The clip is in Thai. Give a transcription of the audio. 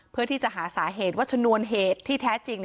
เพื่อที่จะหาสาเหตุว่าชนวนเหตุที่แท้จริง